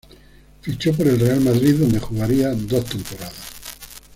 Fichó por el Real Madrid, donde jugaría dos temporadas.